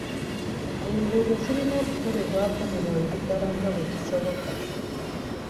Enguudo zirina okukolebwako mu bwangu ddaala nga bwe kisoboka.